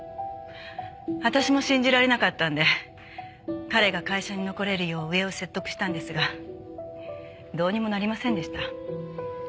私も信じられなかったので彼が会社に残れるよう上を説得したんですがどうにもなりませんでした。